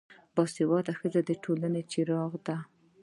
با سواده ښځه دټولنې څراغ ده